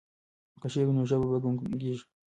که شعر وي نو ژبه نه ګونګیږي.